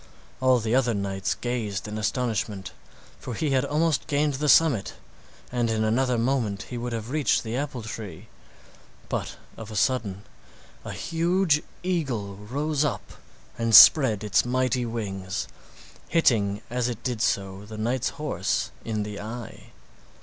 All the other knights gazed in astonishment, for he had almost gained the summit, and in another moment he would have reached the apple tree; but of a sudden a huge eagle rose up and spread its mighty wings, hitting as it did so the knight's horse in the eye.